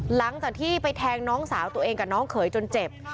หลังจากที่ไปแทงน้องสาวตัวเองกับน้องเขยจนเจ็บ